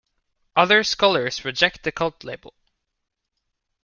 Other scholars reject the cult label.